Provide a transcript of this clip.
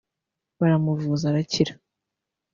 baramuvuza arakira